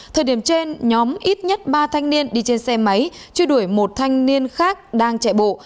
thời điểm trên nhóm ít nhất ba thanh niên đi trên xe máy truy đuổi một thanh niên khác đang chạy bộ